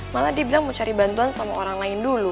malah dia bilang mencari bantuan sama orang lain dulu